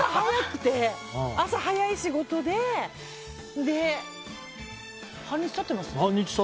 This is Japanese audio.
朝早い仕事で半日経ってます？